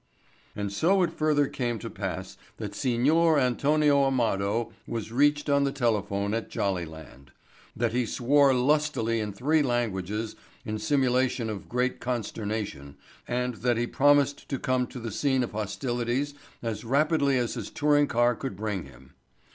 And so it further came to pass that Signor Antonio Amado was reached on the telephone at Jollyland; that he swore lustily in three languages in simulation of great consternation and that he promised to come to the scene of hostilities as rapidly as his touring car could bring him.